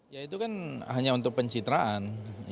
ya itu kan hanya untuk pencitraan